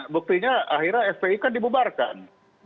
buktinya akhirnya fpi kan dibubarkan